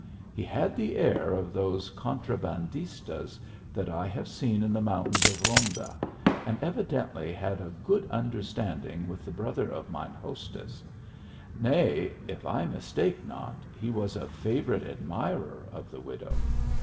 He had the air of those contrabandistas that I have seen in the mountains of Ronda, and, evidently, had a good understanding with the brother of mine hostess; nay, if I mistake not, he was a favourite admirer of the widow.